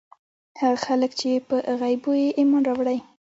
هغه خلک چې په غيبو ئې ايمان راوړی